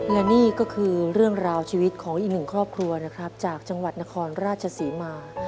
และนี่ก็คือเรื่องราวชีวิตของอีกหนึ่งครอบครัวนะครับจากจังหวัดนครราชศรีมา